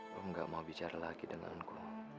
kamu gak mau bicara lagi denganku